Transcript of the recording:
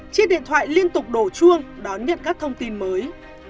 chiếc điện thoại liên tục đổ chuông đón nhận các thông tin mới